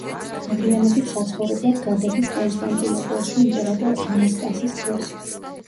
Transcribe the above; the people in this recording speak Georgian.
მოგვიანებით საცხოვრებლად გადადის კონსტანტინოპოლში იმპერატორ ანასტასის დროს.